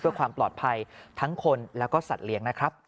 เพื่อความปลอดภัยทั้งคนแล้วก็สัตว์เลี้ยงนะครับ